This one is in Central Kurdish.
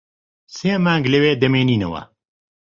سێ مانگ لەوێ دەمێنینەوە.